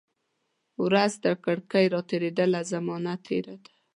ورځ ترکړکۍ را تیریدله، زمانه تیره ده